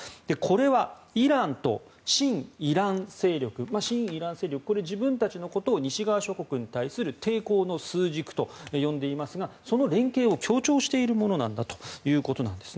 これは、イランと親イラン勢力自分たちのことを西側諸国に対する抵抗の枢軸と呼んでいますがその連携を強調しているものだということです。